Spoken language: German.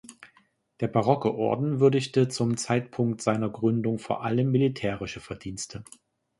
Der barocke Orden würdigte zum Zeitpunkt seiner Gründung vor allem militärische Verdienste.